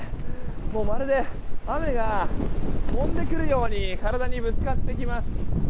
まるで雨が飛んでくるように体にぶつかってきます。